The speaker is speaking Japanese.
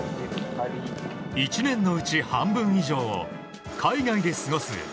１年のうち半分以上を海外で過ごす